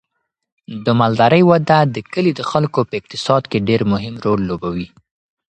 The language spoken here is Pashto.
د مالدارۍ وده د کلي د خلکو په اقتصاد کې ډیر مهم رول لوبوي.